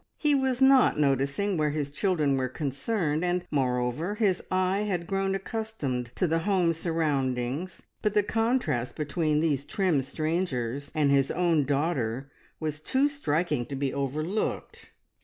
He was not noticing where his children were concerned, and moreover, his eye had grown accustomed to the home surroundings, but the contrast between these trim strangers and his own daughter was too striking to be overlooked.